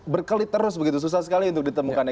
berkelit terus begitu susah sekali untuk ditemukannya